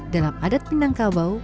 dalam adat minangkabau